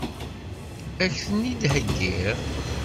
Ad k-ten-id-heggiɣ?